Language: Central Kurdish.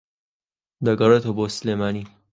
دەگەڕێتەوە بۆ سلێمانی